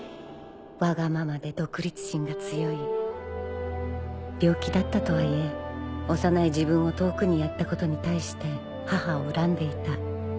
わがままで独立心が強い病気だったとはいえ幼い自分を遠くにやったことに対して母を恨んでいた。